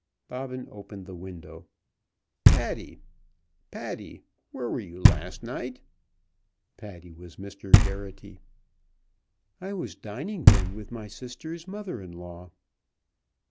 Bobbin opened the window. "Paddy, where were you last night?" Paddy was Mr. Geraghty. "I was dining, then, with my sister's mother in law."